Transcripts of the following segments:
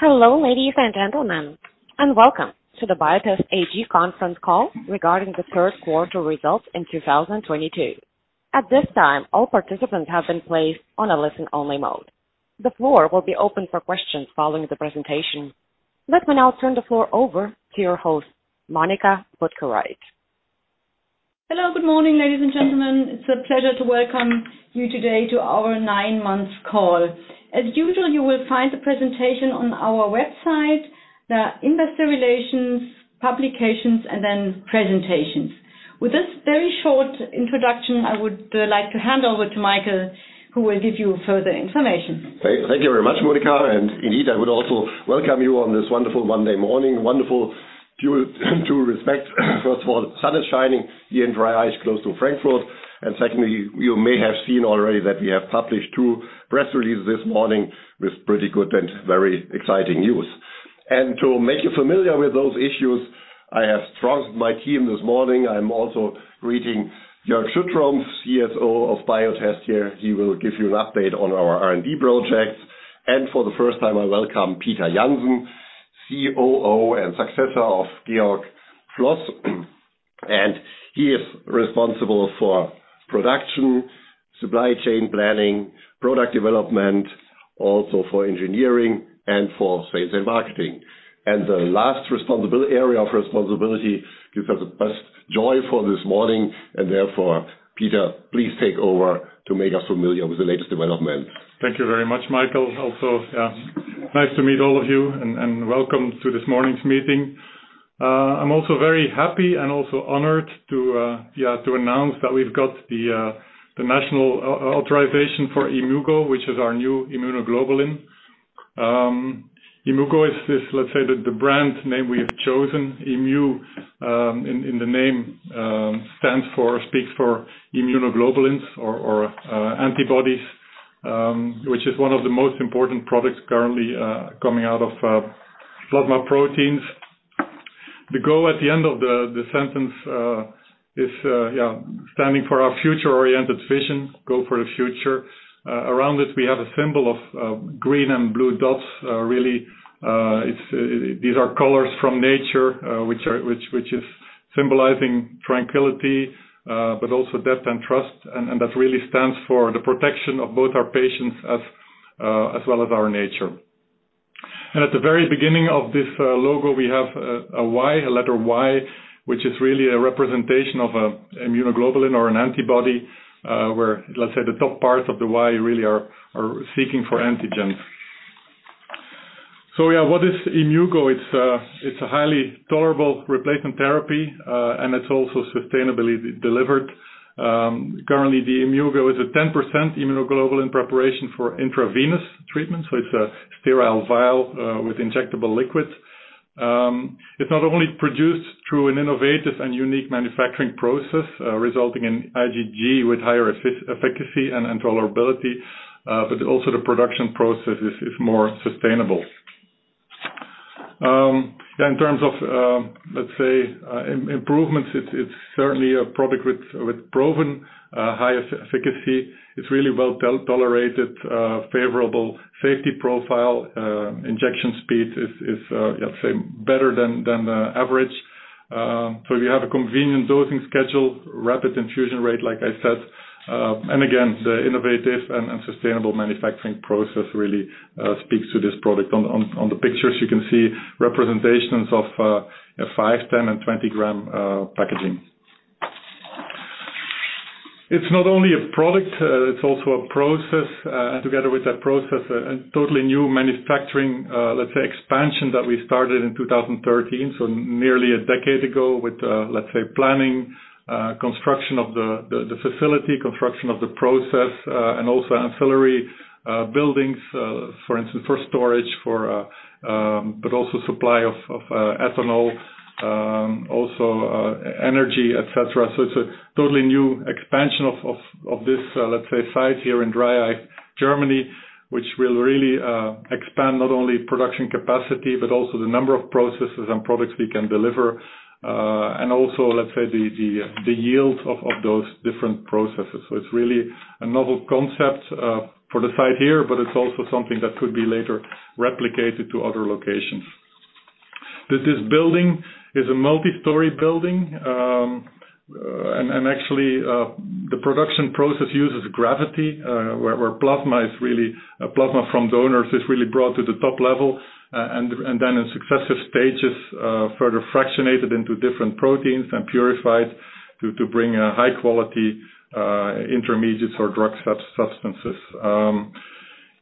Hello, ladies and gentlemen, and welcome to the Biotest AG conference call regarding the third quarter results in 2022. At this time, all participants have been placed on a listen-only mode. The floor will be open for questions following the presentation. Let me now turn the floor over to your host, Monika Buttkereit. Hello, good morning, ladies and gentlemen. It's a pleasure to welcome you today to our nine-month call. As usual, you will find the presentation on our website, the investor relations, publications, and then presentations. With this very short introduction, I would like to hand over to Michael, who will give you further information. Thank you very much, Monika. Indeed, I would also welcome you on this wonderful Monday morning. Wonderful view to respect. First of all, sun is shining here in Dreieich, close to Frankfurt. Secondly, you may have seen already that we have published two press releases this morning with pretty good and very exciting news. To make you familiar with those issues, I have trusted my team this morning. I'm also greeting Jörg Schüttrumpf, CSO of Biotest here. He will give you an update on our R&D projects. For the first time, I welcome Peter Janssen, COO, and successor of Georg Floß. He is responsible for production, supply chain planning, product development, also for engineering, and for sales and marketing. The last area of responsibility gives us the best joy for this morning. Peter, please take over to make us familiar with the latest developments. Thank you very much, Michael. Also, nice to meet all of you and welcome to this morning's meeting. I'm also very happy and also honored to announce that we've got the national authorization for Yimmugo, which is our new immunoglobulin. Yimmugo is this, let's say, the brand name we have chosen. Yimu in the name stands for, speaks for immunoglobulins or antibodies, which is one of the most important products currently coming out of plasma proteins. The go at the end of the name is standing for our future-oriented vision, go for the future. Around it, we have a symbol of green and blue dots. Really, these are colors from nature, which is symbolizing tranquility, but also depth and trust. That really stands for the protection of both our patients as well as our nature. At the very beginning of this logo, we have a Y, a letter Y, which is really a representation of a immunoglobulin or an antibody, where, let's say, the top parts of the Y really are seeking for antigens. What is Yimmugo? It's a highly tolerable replacement therapy, and it's also sustainably delivered. Currently, the Yimmugo is a 10% immunoglobulin preparation for intravenous treatment, so it's a sterile vial with injectable liquids. It's not only produced through an innovative and unique manufacturing process, resulting in IgG with higher efficacy and tolerability, but also the production process is more sustainable. In terms of, let's say, improvements, it's certainly a product with proven high efficacy. It's really well tolerated, favorable safety profile. Injection speed is, let's say, better than the average. We have a convenient dosing schedule, rapid infusion rate, like I said. Again, the innovative and sustainable manufacturing process really speaks to this product. On the pictures, you can see representations of a 5, 10, and 20-gram packaging. It's not only a product, it's also a process, and together with that process, a totally new manufacturing, let's say expansion that we started in 2013, so nearly a decade ago with, let's say planning, construction of the facility, construction of the process, and also ancillary buildings, for instance, for storage, but also supply of ethanol, also energy, et cetera. It's a totally new expansion of this, let's say, site here in Dreieich, Germany, which will really expand not only production capacity, but also the number of processes and products we can deliver, and also, let's say the yields of those different processes. It's really a novel concept for the site here, but it's also something that could be later replicated to other locations. This is a multi-story building, and actually, the production process uses gravity, where plasma from donors is really brought to the top level, and then in successive stages, further fractionated into different proteins and purified to bring a high quality intermediates or drug substances.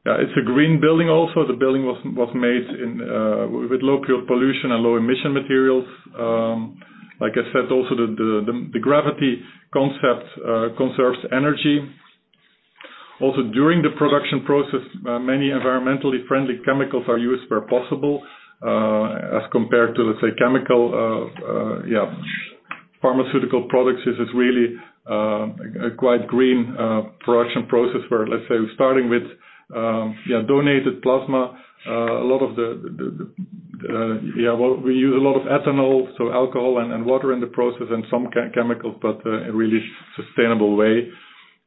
It's a green building also. The building was made with low pollution and low emission materials. Like I said, also the gravity concept conserves energy. Also, during the production process, many environmentally friendly chemicals are used where possible, as compared to, let's say, chemical pharmaceutical products. This is really a quite green production process where, let's say, starting with donated plasma, we use a lot of ethanol, so alcohol and water in the process and some chemicals, but in really sustainable way.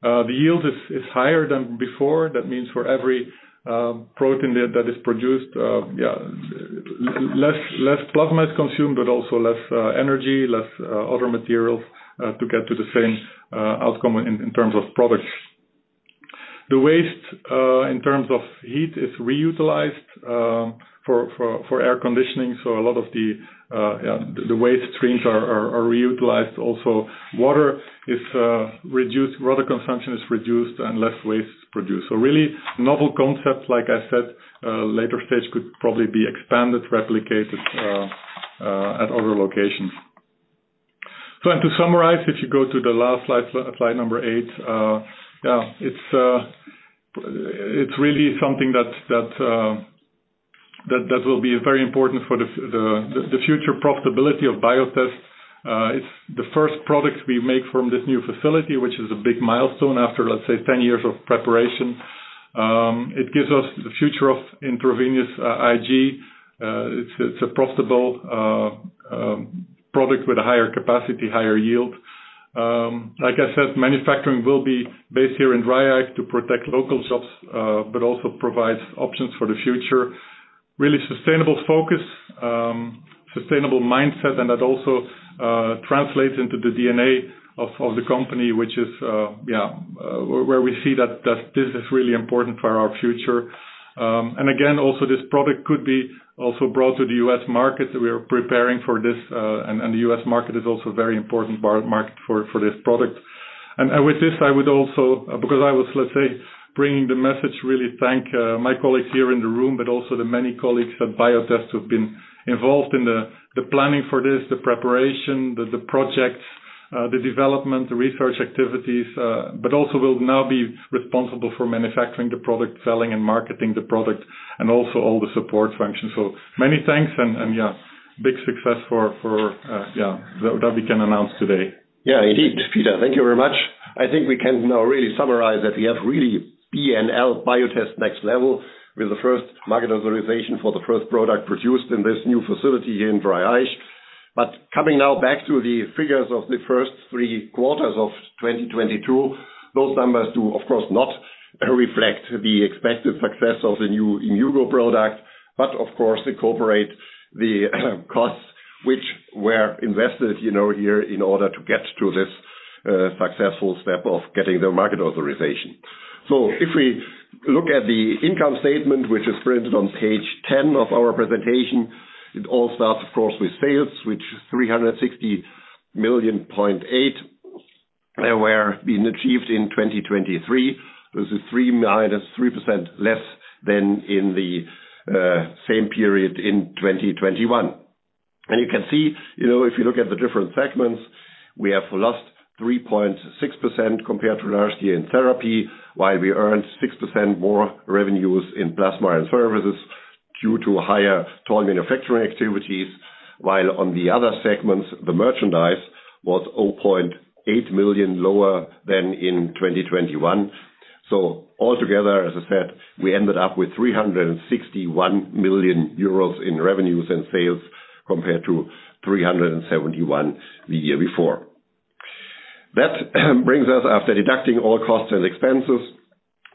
The yield is higher than before. That means for every protein that is produced, less plasma is consumed, but also less energy, less other materials to get to the same outcome in terms of products. The waste in terms of heat is reutilized for air conditioning, so a lot of the waste streams are reutilized. Also, water is reduced, water consumption is reduced and less waste is produced. Really novel concept, like I said, later stage could probably be expanded, replicated, at other locations. To summarize, if you go to the last slide number eight, it's really something that will be very important for the future profitability of Biotest. It's the first product we make from this new facility, which is a big milestone after, let's say, 10 years of preparation. It gives us the future of intravenous IG. It's a profitable product with a higher capacity, higher yield. Like I said, manufacturing will be based here in Dreieich to protect local jobs, but also provides options for the future. Really sustainable focus, sustainable mindset, and that also translates into the DNA of the company, which is where we see that this is really important for our future. Again, also this product could be also brought to the U.S. market. We are preparing for this, and the U.S. market is also a very important market for this product. With this, I would also, because I was, let's say, bringing the message, really thank my colleagues here in the room, but also the many colleagues at Biotest who've been involved in the planning for this, the preparation, the projects, the development, the research activities, but also will now be responsible for manufacturing the product, selling and marketing the product, and also all the support functions. Many thanks and yeah, big success for yeah, that we can announce today. Yeah, indeed, Peter, thank you very much. I think we can now really summarize that we have really BNL, Biotest Next Level with the first market authorization for the first product produced in this new facility here in Dreieich. Coming now back to the figures of the first three quarters of 2022, those numbers do of course not reflect the expected success of the new Yimmugo product, but of course incorporate the costs which were invested, you know, here in order to get to this successful step of getting the market authorization. If we look at the income statement, which is printed on page 10 of our presentation, it all starts, of course, with sales, which 360.8 million were being achieved in 2023. This is -3% less than in the same period in 2021. You can see, you know, if you look at the different segments, we have lost 3.6% compared to last year in therapy, while we earned 6% more revenues in plasma and services due to higher toll manufacturing activities, while on the other segments, the merchandise was 0.8 million lower than in 2021. Altogether, as I said, we ended up with 361 million euros in revenues and sales compared to 371 million the year before. That brings us, after deducting all costs and expenses,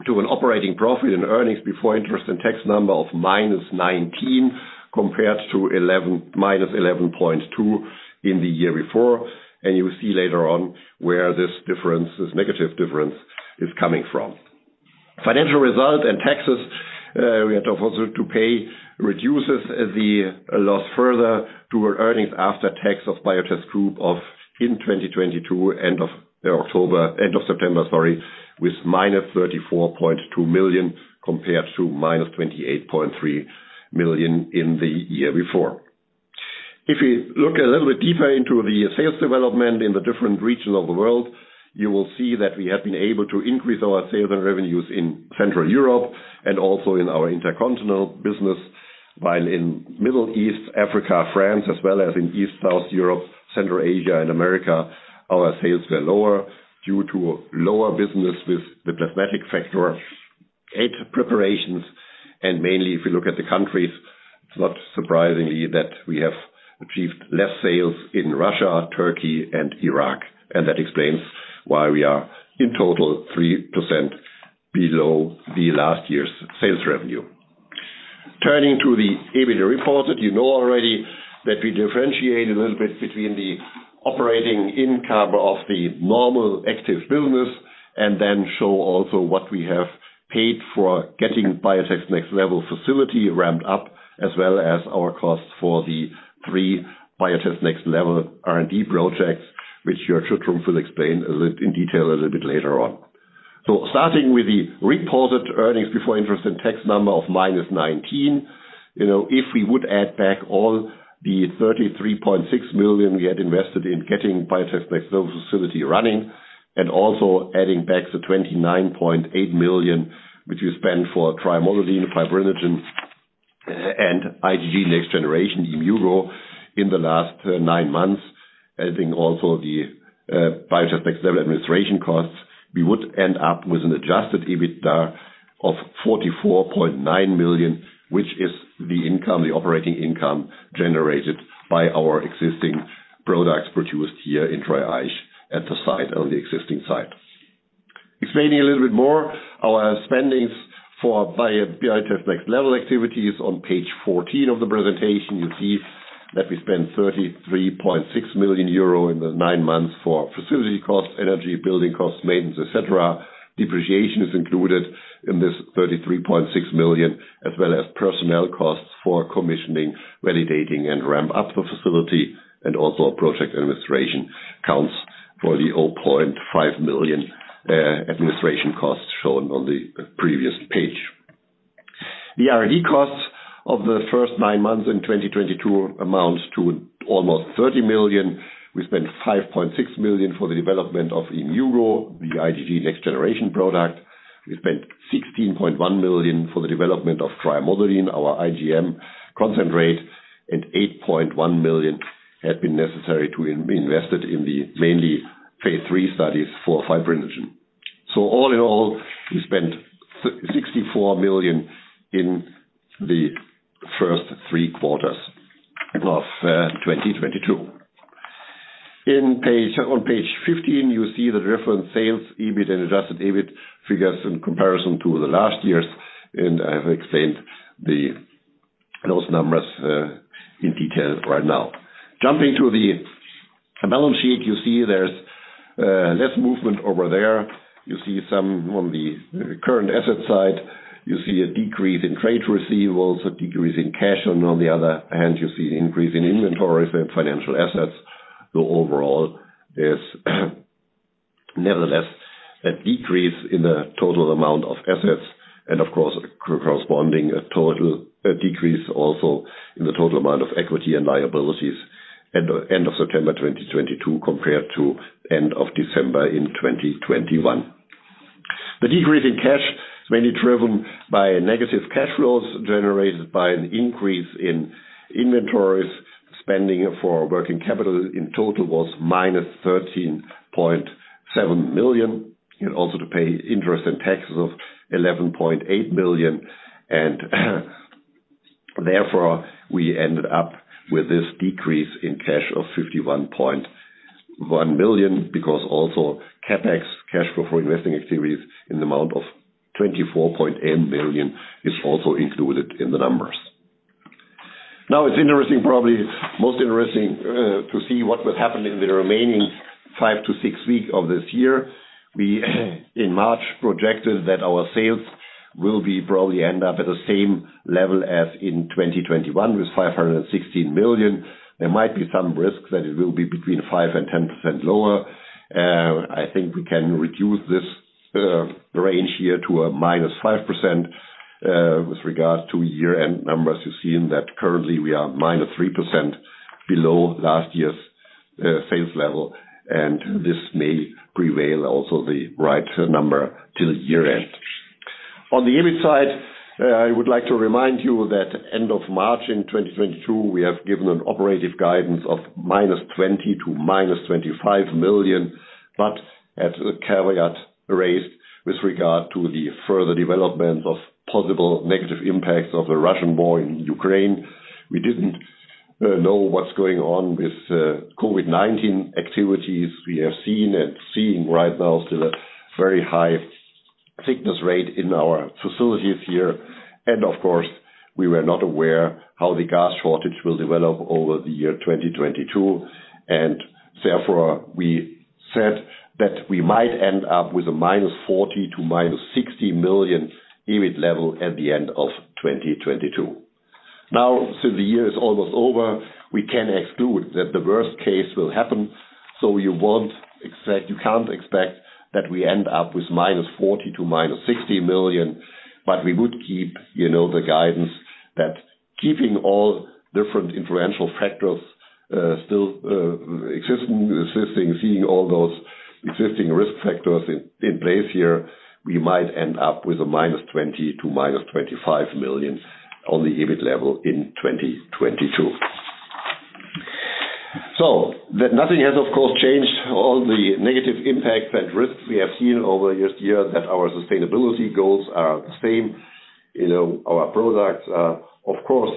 to an operating profit in EBIT number of -19 million compared to -11.2 million in the year before. You will see later on where this difference, this negative difference is coming from. Financial result and taxes we had also to pay reduces the loss further to our earnings after tax of Biotest Group in 2022, end of September, with -34.2 million compared to -28.3 million in the year before. If you look a little bit deeper into the sales development in the different regions of the world, you will see that we have been able to increase our sales and revenues in Central Europe and also in our intercontinental business, while in Middle East, Africa, France, as well as in East South Europe, Central Asia, and America, our sales were lower due to lower business with the plasma factor VIII preparations. Mainly if you look at the countries, it's not surprising that we have achieved less sales in Russia, Turkey, and Iraq, and that explains why we are in total 3% below the last year's sales revenue. Turning to the EBITDA report that you know already that we differentiate a little bit between the operating income of the normal active business and then show also what we have paid for getting Biotest Next Level facility ramped up, as well as our costs for the three Biotest Next Level R&D projects, which Jörg Schüttrumpf will explain in detail a little bit later on. Starting with the reported earnings before interest and tax number of -19 million, you know, if we would add back all the 33.6 million we had invested in getting Biotest Next Level facility running and also adding back the 29.8 million, which we spent for trimodulin, fibrinogen, and IgG next generation Yimmugo in the last nine months, adding also the Biotest Next Level administration costs, we would end up with an adjusted EBITDA of 44.9 million, which is the income, the operating income generated by our existing business. Products produced here in Dreieich at the site, on the existing site. Explaining a little bit more, our spending for Biotest Next Level activities on page 14 of the presentation, you see that we spent 33.6 million euro in the nine months for facility costs, energy building costs, maintenance, et cetera. Depreciation is included in this 33.6 million, as well as personnel costs for commissioning, validating, and ramp up the facility, and also project administration accounts for the 0.5 million, administration costs shown on the previous page. The R&D costs of the first nine months in 2022 amounts to almost 30 million. We spent 5.6 million for the development of Yimmugo, the IgG next generation product. We spent 16.1 million for the development of trimodulin, our IgM concentrate, and 8.1 million had been necessary to invest it in the main phase III studies for fibrinogen. All in all, we spent 64 million in the first three quarters of 2022. On page 15, you see the reference sales, EBIT and adjusted EBIT figures in comparison to last year's, and I have explained those numbers in detail right now. Jumping to the balance sheet, you see there's less movement over there. You see some on the current asset side. You see a decrease in trade receivables, a decrease in cash, and on the other hand, you see increase in inventories and financial assets. Overall, there's nevertheless a decrease in the total amount of assets and, of course, a corresponding total decrease also in the total amount of equity and liabilities at the end of September 2022 compared to end of December 2021. The decrease in cash is mainly driven by negative cash flows generated by an increase in inventories. Spending for working capital in total was -13.7 million, and also to pay interest and taxes of 11.8 million. Therefore, we ended up with this decrease in cash of 51.1 million because also CapEx, cash flow for investing activities in the amount of 24.8 million is also included in the numbers. Now it's interesting, probably most interesting, to see what will happen in the remaining five to six weeks of this year. We, in March, projected that our sales will be probably end up at the same level as in 2021 with 516 million. There might be some risks that it will be between 5%-10% lower. I think we can reduce this range here to a -5%, with regards to year-end numbers. You've seen that currently we are -3% below last year's sales level, and this may prevail as the right number till year-end. On the EBIT side, I would like to remind you that end of March in 2022, we have given an operative guidance of -20 million to -25 million, but with a caveat raised with regard to the further development of possible negative impacts of the Russian war in Ukraine. We didn't know what's going on with COVID-19 activities. We have seen and seeing right now still a very high sickness rate in our facilities here. Of course, we were not aware how the gas shortage will develop over the year 2022. Therefore, we said that we might end up with a -40 million to -60 million EBIT level at the end of 2022. Now, since the year is almost over, we can exclude that the worst case will happen. You won't expect, you can't expect that we end up with -40 million to -60 million. We would keep, you know, the guidance that keeping all different influential factors still existing, seeing all those existing risk factors in place here, we might end up with -20 million--25 million on the EBIT level in 2022. Nothing has, of course, changed all the negative impacts and risks we have seen over this year that our sustainability goals are the same. You know, our products are, of course,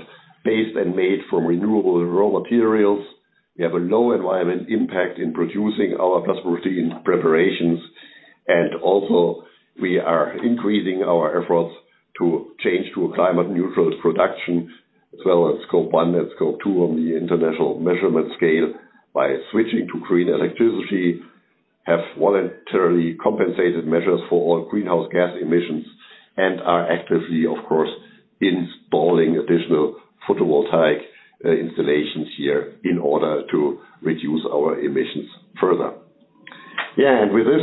based and made from renewable raw materials. We have a low environmental impact in producing our plasma protein preparations. Also we are increasing our efforts to change to a climate neutral production, as well as scope one and scope two on the international measurement scale by switching to green electricity, have voluntarily compensated measures for all greenhouse gas emissions, and are actively, of course, installing additional photovoltaic installations here in order to reduce our emissions further. Yeah, with this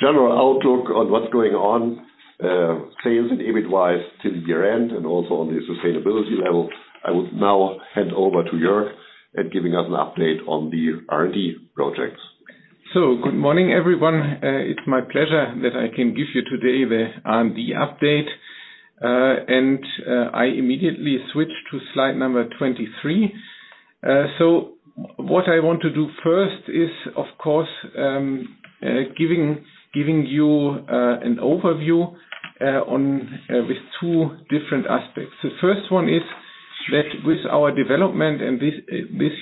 general outlook on what's going on, sales and EBIT wise till the year-end and also on the sustainability level, I would now hand over to Jörg and giving us an update on the R&D projects. Good morning, everyone. It's my pleasure that I can give you today the R&D update. I immediately switch to slide number 23. What I want to do first is, of course, giving you an overview, with two different aspects. The first one is that with our development, and this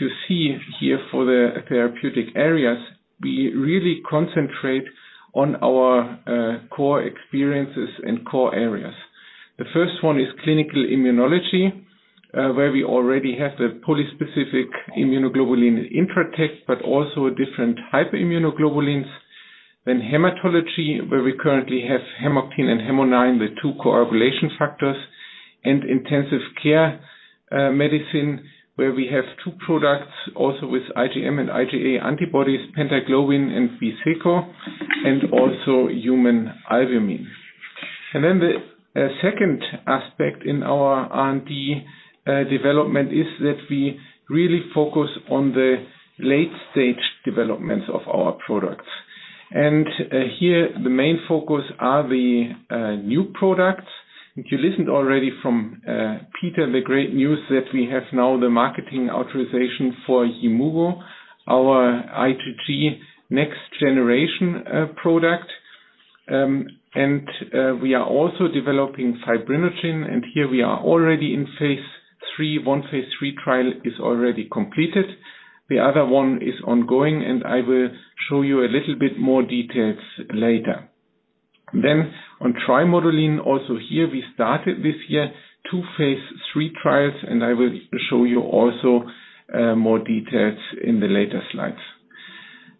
you see here for the therapeutic areas, we really concentrate on our core experiences and core areas. The first one is clinical immunology, where we already have the poly-specific immunoglobulin Intratect, but also different hyperimmunoglobulins and hematology, where we currently have Haemocomplettan and Haemonine, the two coagulation factors. Intensive care medicine, where we have two products also with IgM and IgA antibodies, Pentaglobin and Biseko, and also human albumin. The second aspect in our R&D development is that we really focus on the late stage developments of our products. Here, the main focus are the new products. You heard already from Peter, the great news that we have now the marketing authorization for Yimmugo, our IgG next generation product. We are also developing fibrinogen, and here we are already in phase III. One phase III trial is already completed. The other one is ongoing, and I will show you a little bit more details later. On trimodulin, also here we started this year two phase III trials, and I will show you also more details in the later slides.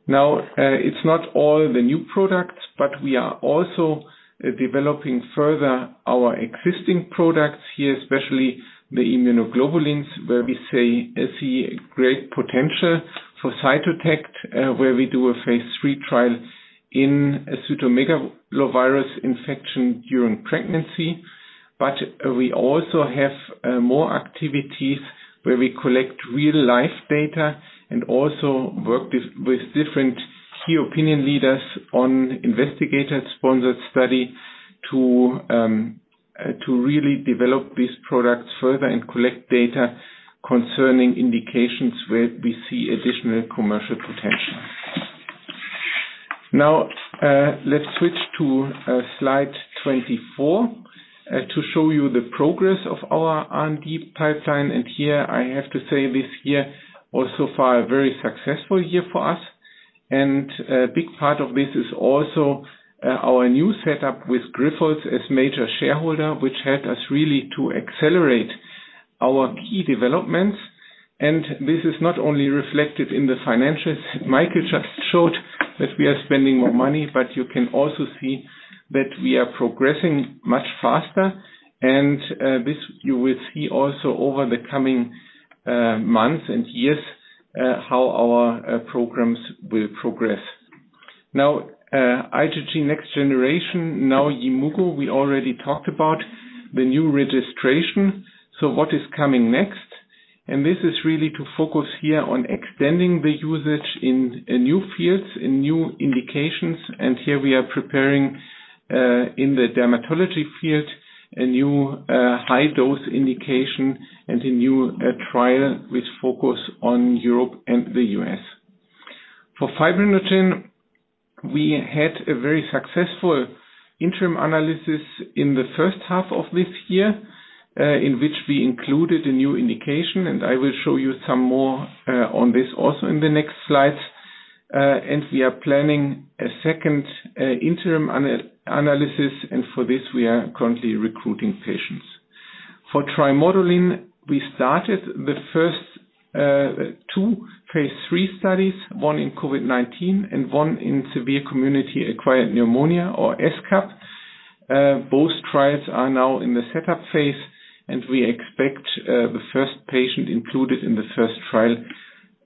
Now, it's not all the new products, but we are also developing further our existing products here, especially the immunoglobulins, where we see great potential for Cytotect, where we do a phase III trial in a cytomegalovirus infection during pregnancy. But we also have more activities where we collect real-life data and also work with different key opinion leaders on investigator-sponsored study to really develop these products further and collect data concerning indications where we see additional commercial potential. Now, let's switch to slide 24 to show you the progress of our R&D pipeline. Here I have to say this year was so far a very successful year for us. A big part of this is also our new setup with Grifols as major shareholder, which helped us really to accelerate our key developments. This is not only reflected in the financials. Michael just showed that we are spending more money, but you can also see that we are progressing much faster. This you will see also over the coming months and years, how our programs will progress. Now, IgG next generation, now Yimmugo, we already talked about the new registration, so what is coming next? This is really to focus here on extending the usage in new fields, in new indications. Here we are preparing in the dermatology field, a new high-dose indication and a new trial with focus on Europe and the U.S. For fibrinogen, we had a very successful interim analysis in the first half of this year, in which we included a new indication, and I will show you some more on this also in the next slide. We are planning a second interim analysis, and for this we are currently recruiting patients. For trimodulin, we started the first two phase III studies, one in COVID-19 and one in severe community-acquired pneumonia or SCAP. Both trials are now in the setup phase, and we expect the first patient included in the first trial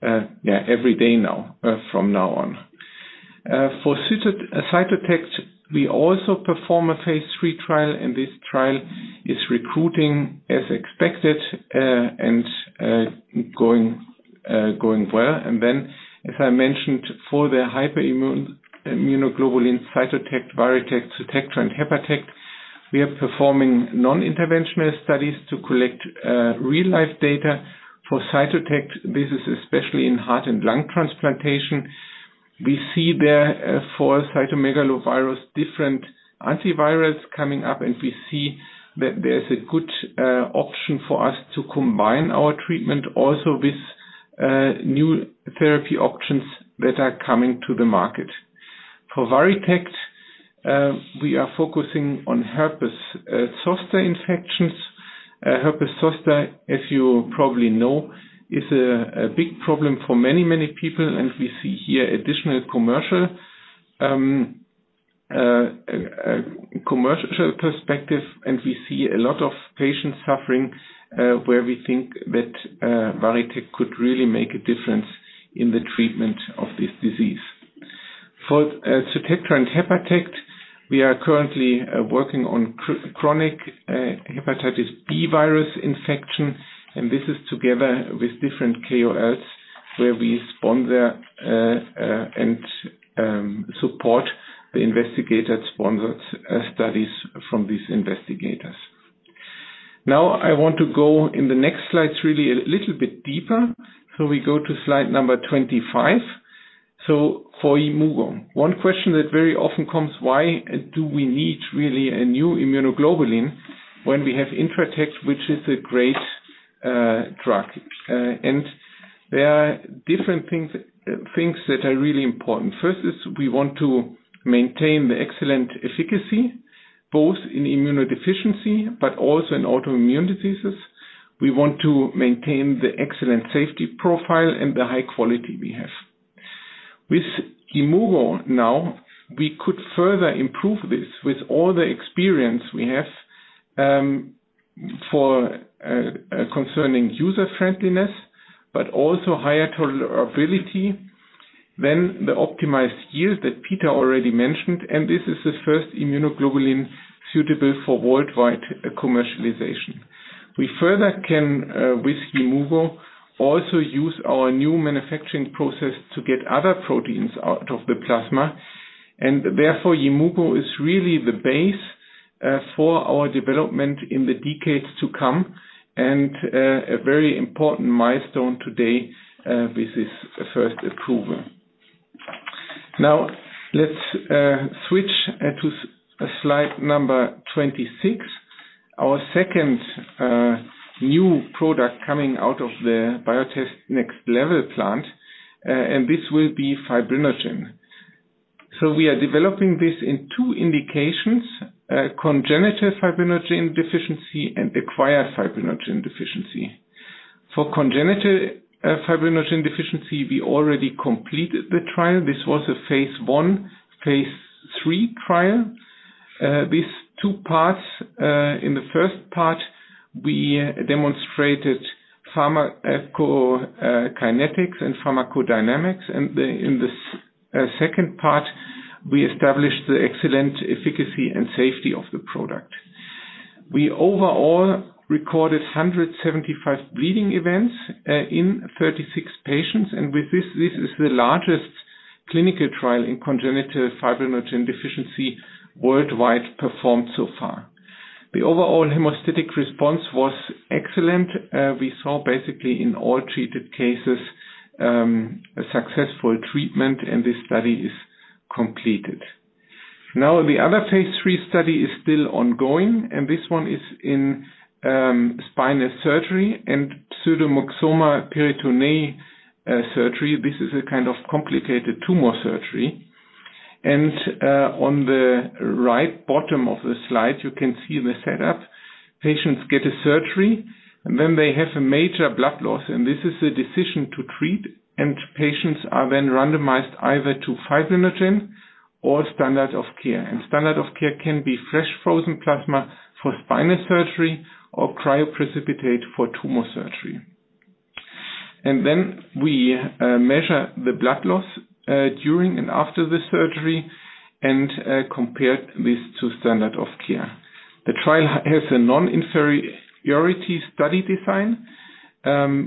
every day now from now on. For Cytotect, we also perform a phase III trial, and this trial is recruiting as expected and going well. As I mentioned, for the hyperimmune immunoglobulin Cytotect, Varitect, and Hepatect, we are performing non-interventional studies to collect real-life data. For Cytotect, this is especially in heart and lung transplantation. We see there, for cytomegalovirus, different antivirus coming up, and we see that there's a good option for us to combine our treatment also with new therapy options that are coming to the market. For Varitect, we are focusing on herpes zoster infections. Herpes zoster, as you probably know, is a big problem for many, many people, and we see here additional commercial perspective, and we see a lot of patients suffering, where we think that Varitect could really make a difference in the treatment of this disease. For Cytotect and Hepatect, we are currently working on chronic hepatitis B virus infection, and this is together with different KOLs, where we sponsor and support the investigator-sponsored studies from these investigators. Now I want to go in the next slides really a little bit deeper. We go to slide number 25. For Yimmugo, one question that very often comes, why do we need really a new immunoglobulin when we have Intratect which is a great drug? And there are different things that are really important. First is we want to maintain the excellent efficacy, both in immunodeficiency but also in autoimmune diseases. We want to maintain the excellent safety profile and the high quality we have. With Yimmugo now, we could further improve this with all the experience we have, for concerning user friendliness but also higher tolerability. The optimized yield that Peter already mentioned, and this is the first immunoglobulin suitable for worldwide commercialization. We further can, with Yimmugo, also use our new manufacturing process to get other proteins out of the plasma and therefore Yimmugo is really the base, for our development in the decades to come and, a very important milestone today, with this first approval. Now, let's switch to slide number 26. Our second new product coming out of the Biotest Next Level plant, and this will be fibrinogen. We are developing this in two indications, congenital fibrinogen deficiency and acquired fibrinogen deficiency. For congenital fibrinogen deficiency, we already completed the trial. This was a phase I, phase III trial with two parts. In the first part, we demonstrated pharmacokinetics and pharmacodynamics, and in the second part, we established the excellent efficacy and safety of the product. We overall recorded 175 bleeding events in 36 patients, and with this is the largest clinical trial in congenital fibrinogen deficiency worldwide performed so far. The overall hemostatic response was excellent. We saw basically in all treated cases a successful treatment and the study is completed. Now, the other phase III study is still ongoing, and this one is in spinal surgery and pseudomyxoma peritonei surgery. This is a kind of complicated tumor surgery. On the right bottom of the slide, you can see the setup. Patients get a surgery, and then they have a major blood loss and this is a decision to treat, and patients are then randomized either to fibrinogen or standard of care. Standard of care can be fresh frozen plasma for spinal surgery or cryoprecipitate for tumor surgery. Then we measure the blood loss during and after the surgery and compare this to standard of care. The trial has a non-inferiority study design.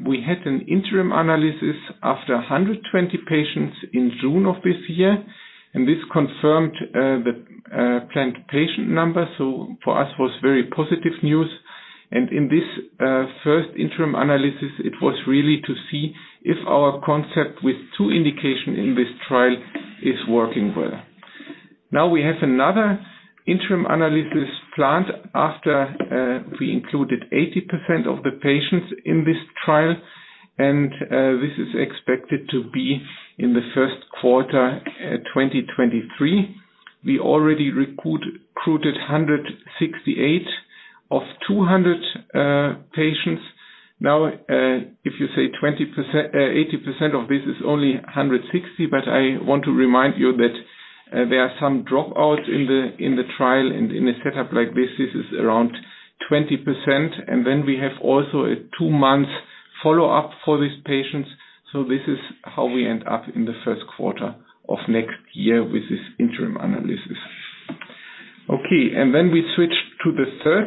We had an interim analysis after 120 patients in June of this year, and this confirmed the planned patient numbers, so for us was very positive news. In this first interim analysis, it was really to see if our concept with two indication in this trial is working well. Now we have another interim analysis planned after we included 80% of the patients in this trial, and this is expected to be in the first quarter 2023. We already recruited 168 of 200 patients. Now, if you say 20%, 80% of this is only 160, but I want to remind you that there are some drop out in the trial and in a setup like this is around 20%. We have also a two-month follow-up for these patients. This is how we end up in the first quarter of next year with this interim analysis. Okay, and then we switch to the third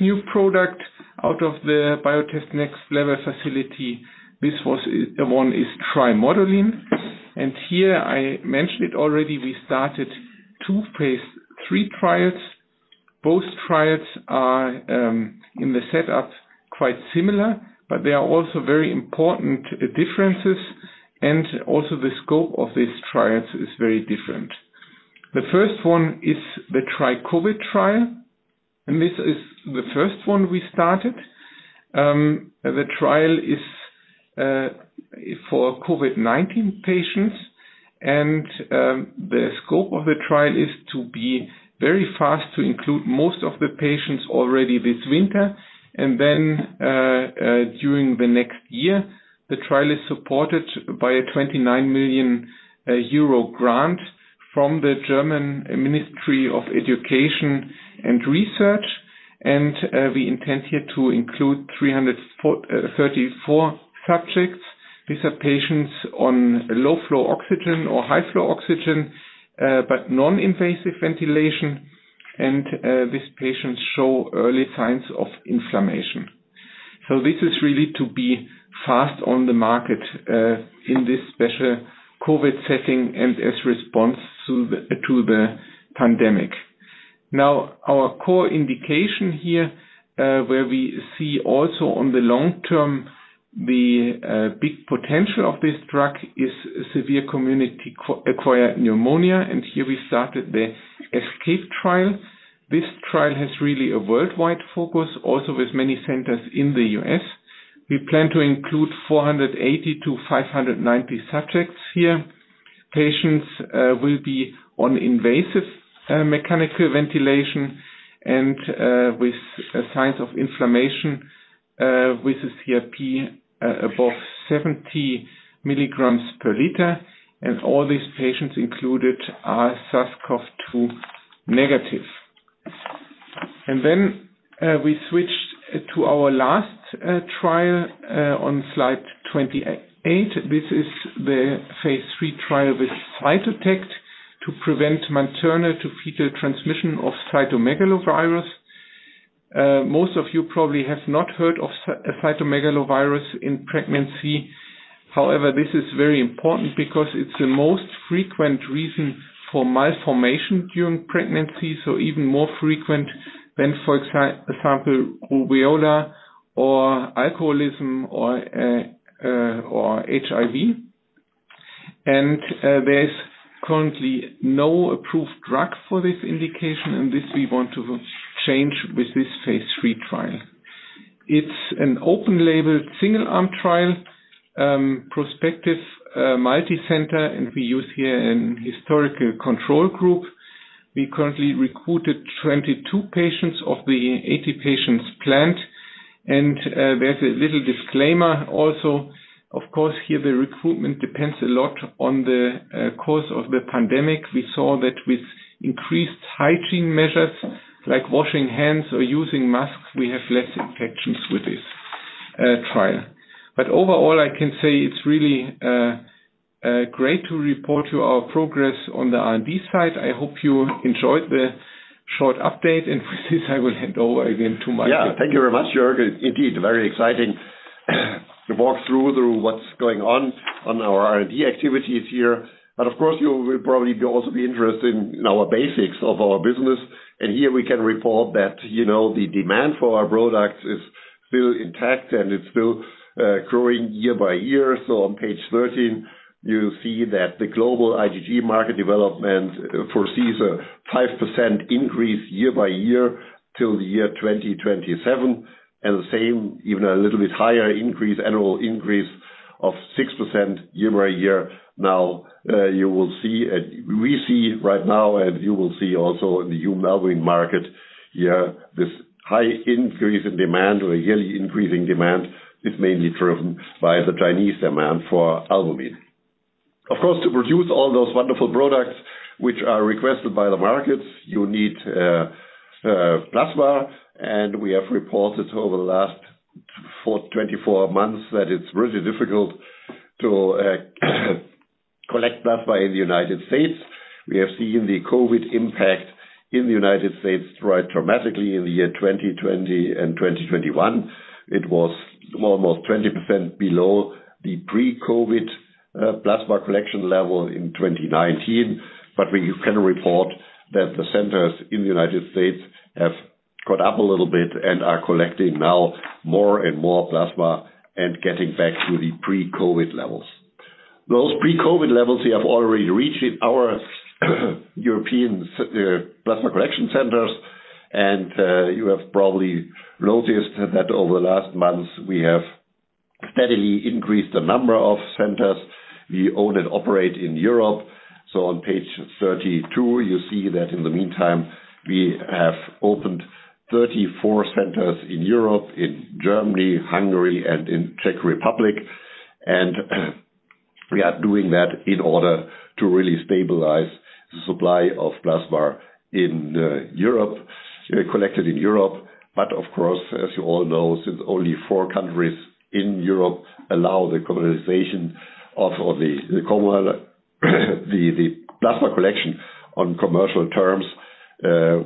new product out of the Biotest Next Level facility. This was one is trimodulin. Here I mentioned it already, we started two phase III trials. Both trials are in the setup quite similar, but there are also very important differences, and also the scope of these trials is very different. The first one is the TRICOVID trial, and this is the first one we started. The trial is for COVID-19 patients and the scope of the trial is to be very fast to include most of the patients already this winter. Then during the next year, the trial is supported by a 29 million euro grant from the Federal Ministry of Education and Research, and we intend here to include 334 subjects. These are patients on low flow oxygen or high flow oxygen, but non-invasive ventilation and these patients show early signs of inflammation. This is really to be fast on the market in this special COVID setting and as response to the pandemic. Our core indication here where we see also on the long term the big potential of this drug is severe community-acquired pneumonia, and here we started the [Escape] trial. This trial has really a worldwide focus also with many centers in the U.S. We plan to include 480 subjects-590 subjects here. Patients will be on invasive mechanical ventilation and with signs of inflammation with a CRP above 70 mg per liter. All these patients included are SARS-CoV-2 negative. We switch to our last trial on slide 28. This is the phase III trial with Cytotect to prevent maternal to fetal transmission of cytomegalovirus. Most of you probably have not heard of cytomegalovirus in pregnancy. However, this is very important because it's the most frequent reason for malformation during pregnancy, so even more frequent than, for example, rubella or alcoholism or HIV. There's currently no approved drug for this indication, and this we want to change with this phase III trial. It's an open label, single arm trial, prospective, multicenter, and we use here an historical control group. We currently recruited 22 patients of the 80 patients planned. There's a little disclaimer also, of course, here the recruitment depends a lot on the course of the pandemic. We saw that with increased hygiene measures like washing hands or using masks, we have less infections with this trial. But overall, I can say it's really great to report to our progress on the R&D side. I hope you enjoyed the short update, and with this, I will hand over again to Michael. Yeah. Thank you very much, Jörg. Indeed, very exciting to walk through what's going on in our R&D activities here. But of course, you will probably also be interested in the basics of our business. Here we can report that, you know, the demand for our products is still intact, and it's still growing year by year. On page 13, you see that the global IgG market development foresees a 5% increase year by year till the year 2027. The same, even a little bit higher increase, annual increase of 6% year by year. Now, you will see, we see right now, and you will see also in the human albumin market here, this high increase in demand or yearly increasing demand is mainly driven by the Chinese demand for albumin. Of course, to produce all those wonderful products which are requested by the markets, you need plasma. We have reported over the last 42 months that it's really difficult to collect plasma in the United States. We have seen the COVID impact in the United States rise dramatically in the year 2020 and 2021. It was almost 20% below the pre-COVID plasma collection level in 2019. We can report that the centers in the United States have got up a little bit and are collecting now more and more plasma and getting back to the pre-COVID levels. Those pre-COVID levels we have already reached in our European plasma collection centers. You have probably noticed that over the last months, we have steadily increased the number of centers we own and operate in Europe. On page 32, you see that in the meantime we have opened 34 centers in Europe, in Germany, Hungary, and in Czech Republic. We are doing that in order to really stabilize the supply of plasma in Europe, collected in Europe. Of course, as you all know, since only four countries in Europe allow the commercialization of the plasma collection on commercial terms,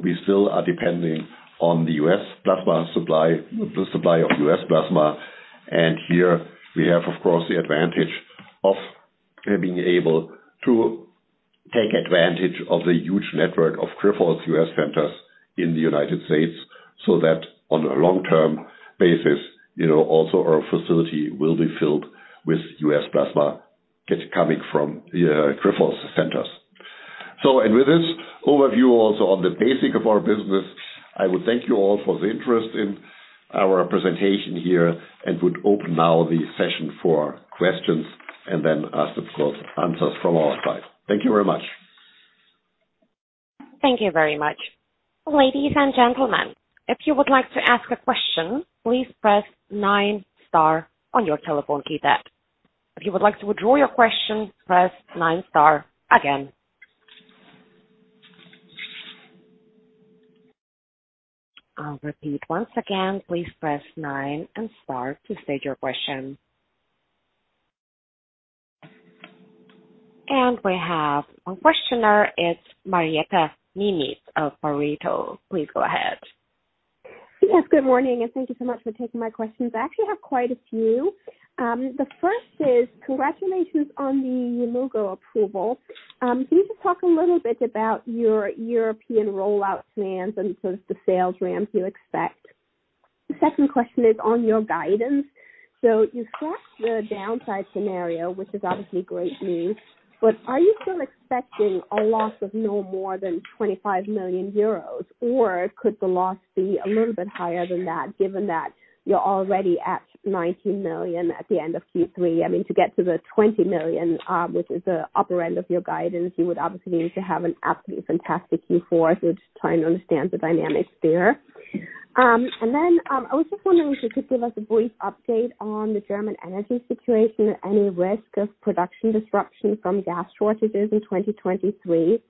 we still are depending on the U.S. plasma supply, the supply of U.S. plasma. Here we have, of course, the advantage of being able to take advantage of the huge network of Grifols U.S. centers in the United States, so that on a long-term basis, you know, also our facility will be filled with U.S. plasma coming from the Grifols centers. With this overview also on the basis of our business, I would thank you all for the interest in our presentation here and would open now the session for questions and then, of course, answers from our side. Thank you very much. Thank you very much. Ladies and gentlemen, if you would like to ask a question, please press nine star on your telephone keypad. If you would like to withdraw your question, press nine star again. I'll repeat once again. Please press nine and star to state your question. We have a questioner. It's [Marietta Ninis] of Pareto. Please go ahead. Yes, good morning, and thank you so much for taking my questions. I actually have quite a few. The first is congratulations on the Yimmugo approval. Can you just talk a little bit about your European rollout plans and sort of the sales ramps you expect? The second question is on your guidance. You set the downside scenario, which is obviously great news, but are you still expecting a loss of no more than 25 million euros, or could the loss be a little bit higher than that, given that you're already at 19 million at the end of Q3? I mean, to get to the 20 million, which is the upper end of your guidance, you would obviously need to have an absolutely fantastic Q4. Just trying to understand the dynamics there. I was just wondering if you could give us a brief update on the German energy situation, any risk of production disruption from gas shortages in 2023.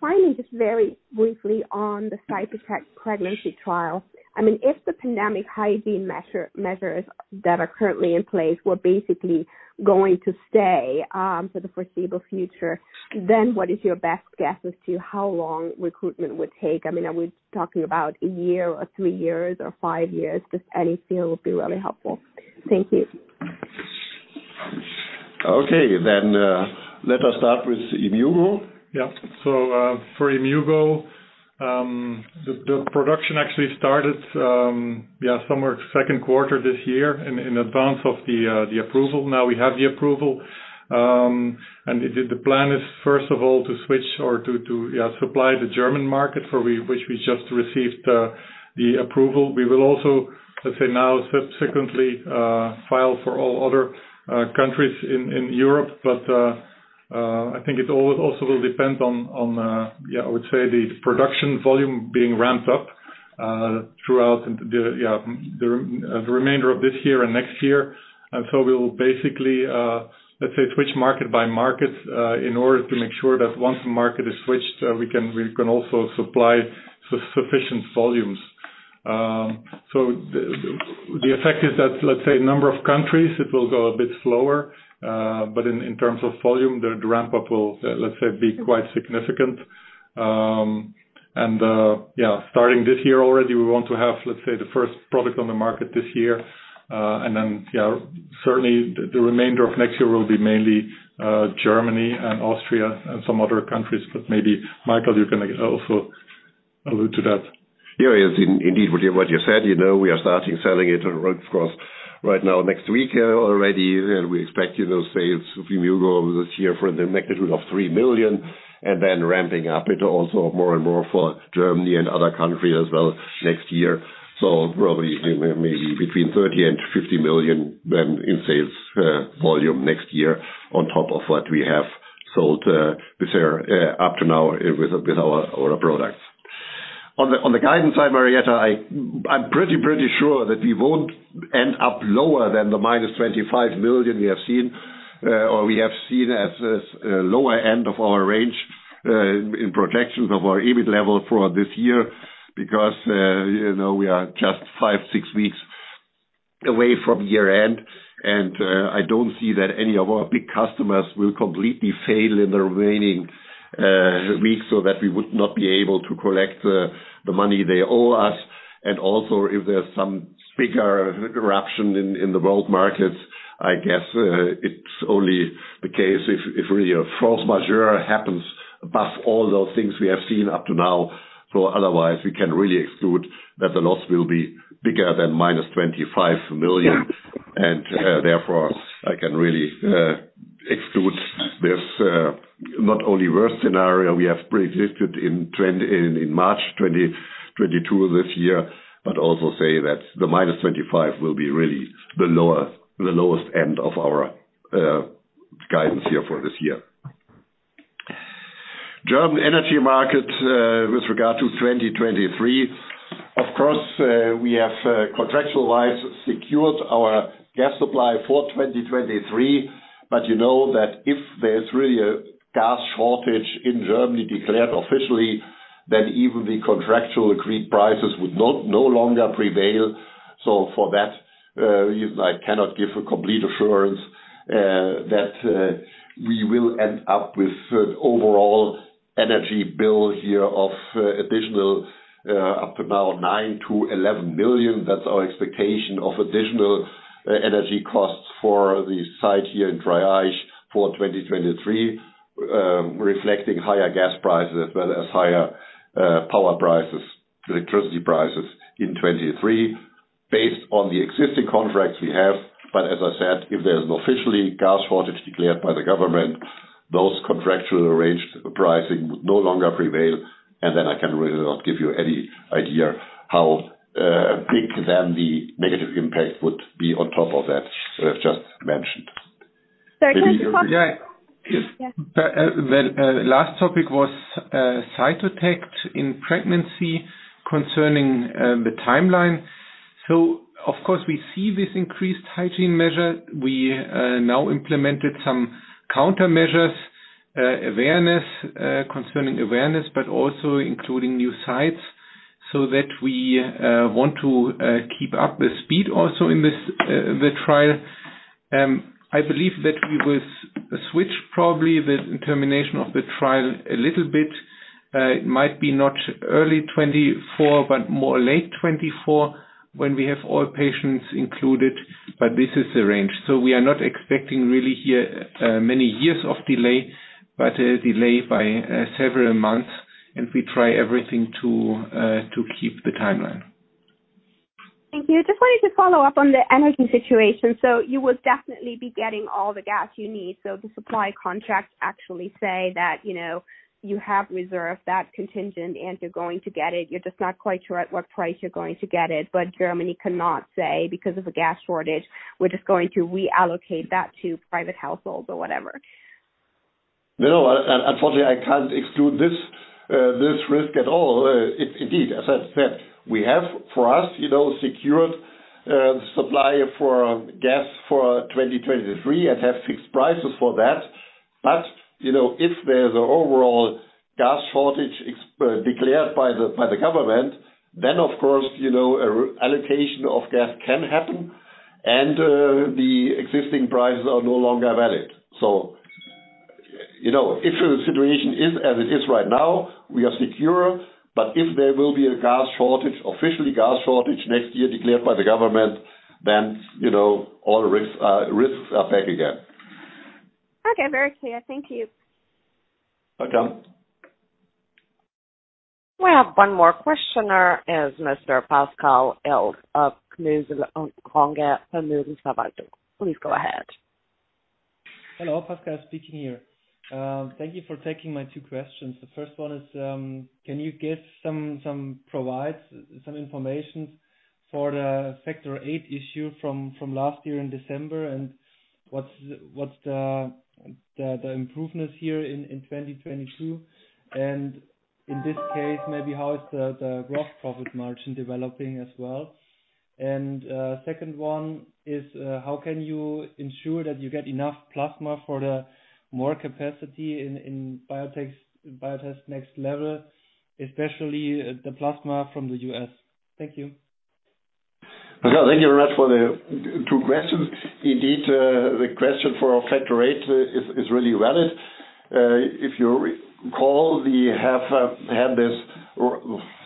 Finally, just very briefly on the Cytotect pregnancy trial. I mean, if the pandemic hygiene measures that are currently in place were basically going to stay for the foreseeable future, then what is your best guess as to how long recruitment would take? I mean, are we talking about a year or three years or five years? Just any feel will be really helpful. Thank you. Okay. Let us start with Yimmugo. For Yimmugo, the production actually started somewhere second quarter this year in advance of the approval. Now we have the approval. The plan is first of all to switch or to supply the German market for which we just received the approval. We will also, let's say, now subsequently file for all other countries in Europe. I think it also will depend on the production volume being ramped up throughout the remainder of this year and next year. We will basically, let's say, switch market by market in order to make sure that once the market is switched, we can also supply sufficient volumes. The effect is that, let's say, a number of countries, it will go a bit slower, but in terms of volume, the ramp up will, let's say, be quite significant. Yeah, starting this year already, we want to have, let's say, the first product on the market this year. Yeah, certainly the remainder of next year will be mainly Germany and Austria and some other countries, but maybe, Michael, you can also allude to that. Yeah. Indeed, what you said, you know, we are starting selling it, of course, right now, next week already, and we expect, you know, sales of Yimmugo this year for the magnitude of 3 million, and then ramping up it also more and more for Germany and other country as well next year. Probably maybe between 30 million and 50 million then in sales volume next year on top of what we have sold this year up to now with our other products. On the guidance side, Marietta, I'm pretty sure that we won't end up lower than the -25 million we have seen or we have seen as this lower end of our range in projections of our EBIT level for this year, because you know, we are just five to six weeks away from year-end, and I don't see that any of our big customers will completely fail in the remaining weeks so that we would not be able to collect the money they owe us. Also, if there's some bigger disruption in the world markets, I guess it's only the case if really a force majeure happens above all those things we have seen up to now. Otherwise, we can really exclude that the loss will be bigger than -25 million. Therefore, I can really exclude this not only worst scenario we have predicted in trend in March 2022 this year, but also say that the -25 million will be really the lowest end of our guidance here for this year. German energy market with regard to 2023, of course, we have contractually secured our gas supply for 2023, but you know that if there's really a gas shortage in Germany declared officially, then even the contractual agreed prices would no longer prevail. For that, I cannot give a complete assurance that we will end up with an overall energy bill here of additional up to now 9 billion-11 billion. That's our expectation of additional energy costs for the site here in Dreieich for 2023, reflecting higher gas prices as well as higher power prices, electricity prices in 2023 based on the existing contracts we have. As I said, if there's officially gas shortage declared by the government, those contractual arranged pricing would no longer prevail, and then I can really not give you any idea how big then the negative impact would be on top of that I've just mentioned. Sir, can you talk? Yeah. Yes. The last topic was Cytotect in pregnancy concerning the timeline. Of course, we see this increased hygiene measure. We now implemented some countermeasures, awareness concerning awareness, but also including new sites. That we want to keep up the speed also in this the trial. I believe that we will switch probably the termination of the trial a little bit. It might be not early 2024, but more late 2024 when we have all patients included, but this is the range. We are not expecting really here many years of delay, but a delay by several months, and we try everything to keep the timeline. Thank you. Just wanted to follow up on the energy situation. You will definitely be getting all the gas you need. The supply contracts actually say that, you know, you have reserved that contingent and you're going to get it. You're just not quite sure at what price you're going to get it, but Germany cannot say because of a gas shortage, we're just going to reallocate that to private households or whatever. No, unfortunately, I can't exclude this risk at all. Indeed, as I said, we have for us, you know, secured supply for gas for 2023 and have fixed prices for that. You know, if there's an overall gas shortage declared by the government, then of course, you know, an allocation of gas can happen and the existing prices are no longer valid. You know, if the situation is as it is right now, we are secure. If there will be a gas shortage, official gas shortage next year declared by the government, then, you know, all risks are back again. Okay. Very clear. Thank you. Welcome. We have one more questioner as [Mr. Pascal Elf] of. Please go ahead. Hello, Pascal speaking here. Thank you for taking my two questions. The first one is, can you give some information for the factor VIII issue from last year in December and what's the improvements here in 2022? In this case, maybe how is the gross profit margin developing as well? Second one is, how can you ensure that you get enough plasma for the more capacity in Biotest Next Level, especially the plasma from the U.S.? Thank you. Okay. Thank you very much for the two questions. Indeed, the question for our factor VIII is really valid. If you recall, we have had this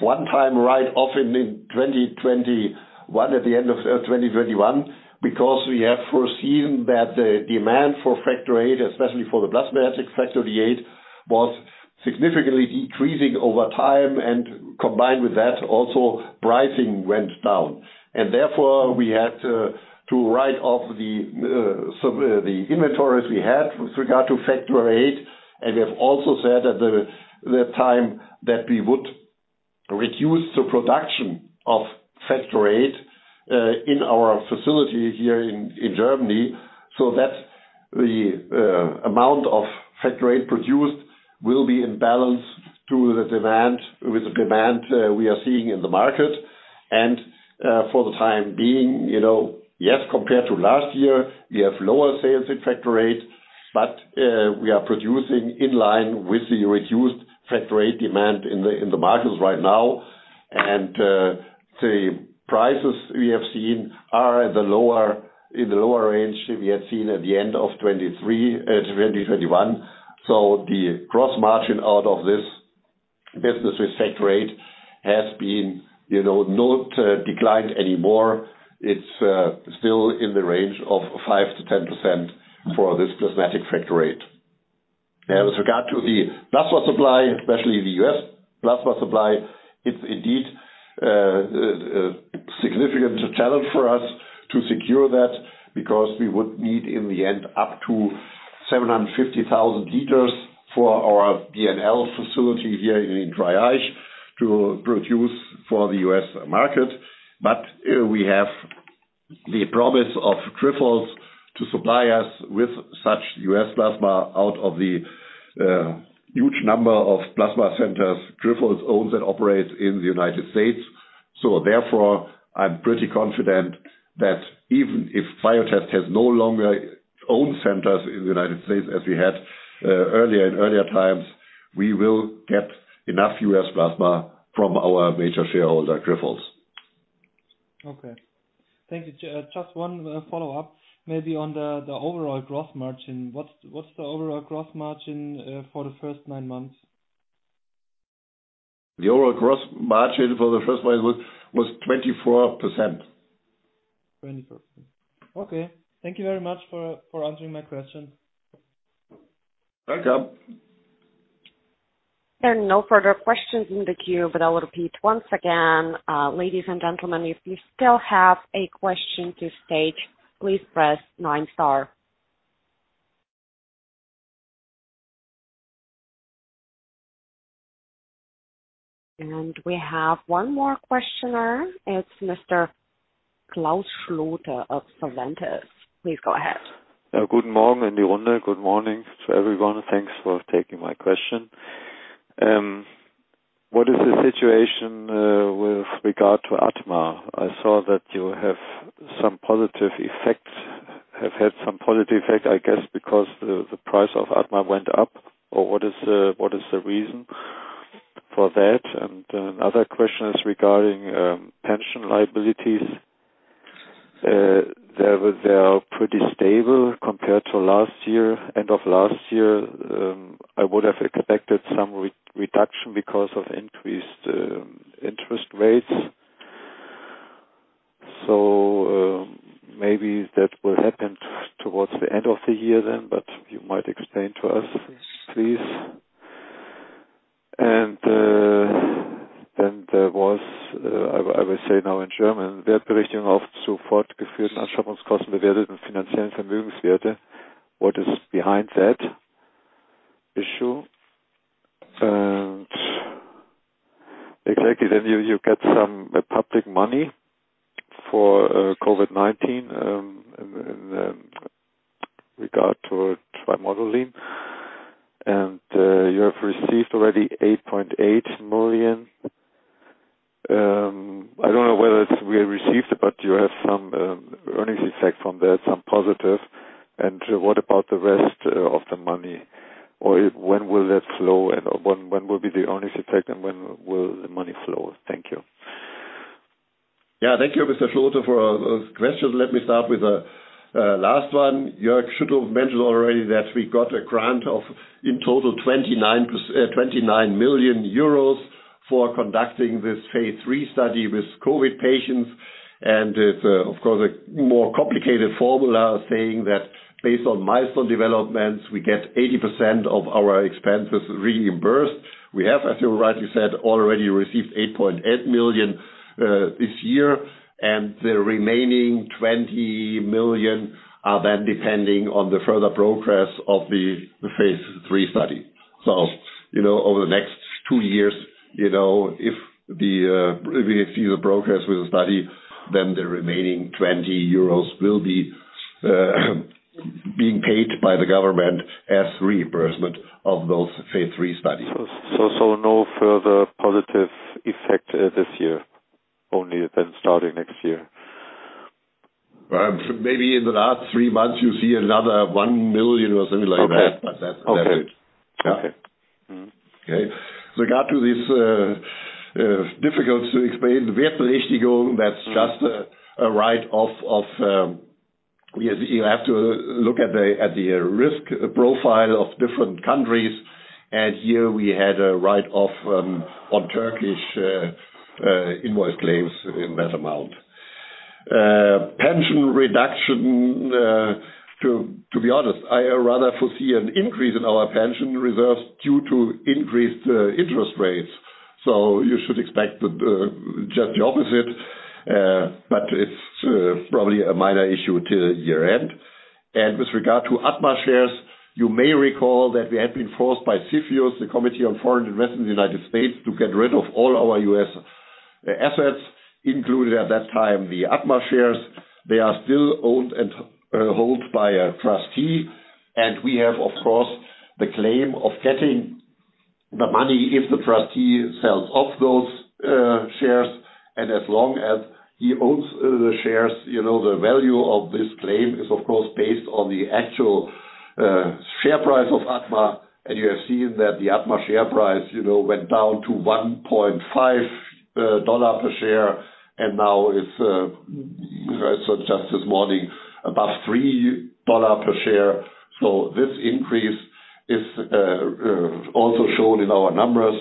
one-time write-off in 2021, at the end of 2021, because we have foreseen that the demand for factor VIII, especially for the plasmatic factor VIII, was significantly decreasing over time, and combined with that, also pricing went down. Therefore, we had to write-off some of the inventories we had with regard to factor VIII. We have also said at the time that we would reduce the production of factor VIII in our facility here in Germany. That the amount of factor VIII produced will be in balance with the demand we are seeing in the market. For the time being, you know, yes, compared to last year, we have lower sales in factor VIII, but we are producing in line with the reduced factor VIII demand in the markets right now. The prices we have seen are at the lower, in the lower range we had seen at the end of 2021. The gross margin out of this business with factor VIII has been, you know, not declined anymore. It's still in the range of 5%-10% for this plasmatic factor VIII. As regards to the plasma supply, especially the U.S. plasma supply, it's indeed a significant challenge for us to secure that because we would need in the end up to 750,000 liters for our BNL facility here in Dreieich to produce for the U.S. market. We have the promise of Grifols to supply us with such U.S. plasma out of the huge number of plasma centers Grifols owns and operates in the United States. Therefore, I'm pretty confident that even if Biotest has no longer own centers in the United States as we had earlier, in earlier times, we will get enough U.S. plasma from our major shareholder, Grifols. Okay. Thank you. Just one follow-up maybe on the overall gross margin. What's the overall gross margin for the first nine months? The overall gross margin for the first nine months was 24%. 20%. Okay. Thank you very much for answering my question. Welcome. There are no further questions in the queue, but I will repeat once again, ladies and gentlemen, if you still have a question to state, please press nine star. We have one more questioner. It's Mr. Klaus Schlote of Solventis. Please go ahead. Guten Morgen, everyone. Good morning to everyone. Thanks for taking my question. What is the situation with regard to ADMA? I saw that you have had some positive effect, I guess, because the price of ADMA went up. Or what is the reason for that? Another question is regarding pension liabilities. They are pretty stable compared to last year, end of last year. I would have expected some reduction Let me start with the last one. Jörg should have mentioned already that we got a grant of in total 29 million euros for conducting this phase III study with COVID patients. It's of course a more complicated formula saying that based on milestone developments, we get 80% of our expenses reimbursed. We have, as you rightly said, already received 8.8 million this year, and the remaining 20 million are then depending on the further progress of the phase III study. You know, over the next two years, you know, if we see the progress with the study, then the remaining 20 million euros will be being paid by the government as reimbursement of those phase III studies. No further positive effect this year, only then starting next year? Maybe in the last three months, you see another 1 million or something like that. Okay. That's it. Okay. Okay. With regard to this, difficult to explain. That's just a write-off of, you know, you have to look at the risk profile of different countries. Here we had a write-off on Turkish invoice claims in that amount. Pension reduction, to be honest, I rather foresee an increase in our pension reserves due to increased interest rates. You should expect just the opposite, but it's probably a minor issue till year-end. With regard to ADMA shares, you may recall that we had been forced by CFIUS, the Committee on Foreign Investment in the United States, to get rid of all our U.S. assets, including at that time, the ADMA shares. They are still owned and hold by a trustee, and we have, of course, the claim of getting the money if the trustee sells off those shares. As long as he owns the shares, you know, the value of this claim is, of course, based on the actual share price of ADMA. You have seen that the ADMA share price, you know, went down to $1.5 per share, and now it's, as of just this morning, about $3 per share. This increase is also shown in our numbers.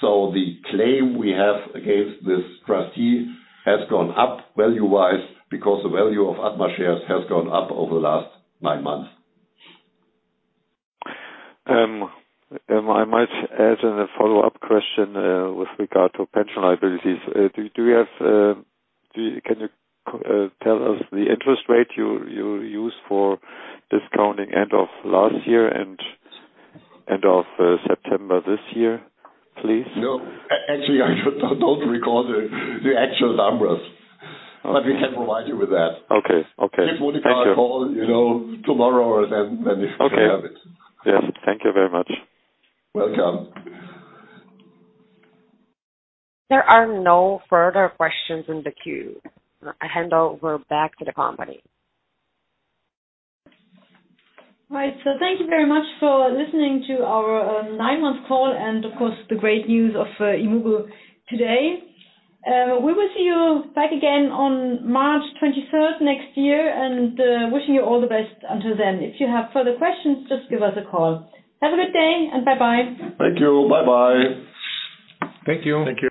The claim we have against this trustee has gone up value-wise because the value of ADMA shares has gone up over the last nine months. I might add in a follow-up question with regard to pension liabilities. Can you tell us the interest rate you used for discounting end of last year and end of September this year, please? No. Actually, I should not recall the actual numbers, but we can provide you with that. Okay. Okay. Give Monika a call, you know, tomorrow, and then you can have it. Okay. Yes. Thank you very much. Welcome. There are no further questions in the queue. I hand over back to the company. Right. Thank you very much for listening to our nine-month call and of course, the great news of Yimmugo today. We will see you back again on March 23rd next year, and wishing you all the best until then. If you have further questions, just give us a call. Have a good day, and bye-bye. Thank you. Bye-bye. Thank you. Thank you.